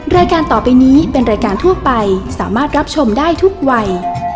รายการต่อไปนี้เป็นรายการทั่วไปสามารถรับชมได้ทุกวัย